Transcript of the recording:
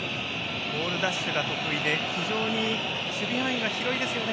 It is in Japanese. ボール奪取が得意で非常に守備範囲広いですよね。